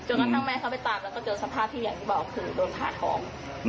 กระทั่งแม่เขาไปตามแล้วก็เจอสภาพที่อย่างที่บอกคือโดนผ่าท้อง